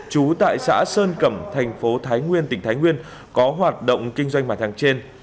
trú tại xã sơn cẩm thành phố thái nguyên tỉnh thái nguyên có hoạt động kinh doanh mặt hàng trên